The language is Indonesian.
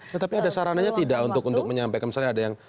tetapi ada sarananya tidak untuk menyampaikan misalnya ada yang